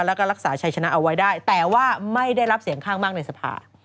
แล้วก็รักษาชัยชนะเอาไว้ได้แต่ว่าไม่ได้รับเสียงข้างมากในสภา